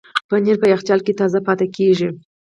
پنېر په یخچال کې تازه پاتې کېږي.